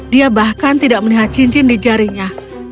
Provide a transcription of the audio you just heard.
dia bahkan mengingatkan kepadanya